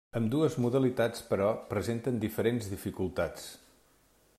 Ambdues modalitats, però, presenten diferents dificultats.